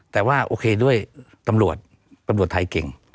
แต่ว่าโอเคด้วยตำรวจตำรวจไทยเก่ง